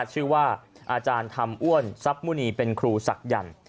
ชื่อว่าอาจารย์ธรรมอ้วนซับมูนีเป็นครูศักดิ์ยันต์